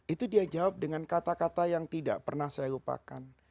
itu dia jawab dengan kata kata yang tidak pernah saya lupakan